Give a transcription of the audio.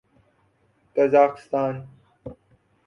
Kazakhstan